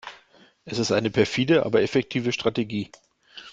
Es ist eine perfide, aber effektive Strategie.